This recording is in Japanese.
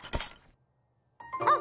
あっ。